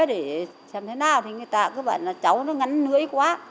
xem thế nào thì người ta cứ bảo là cháu nó ngắn nưỡi quá